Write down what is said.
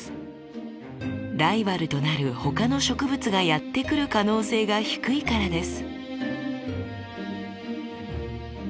ライバルとなる他の植物がやって来る可能性が低いからです。